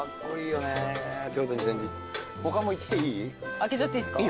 開けちゃっていいすか？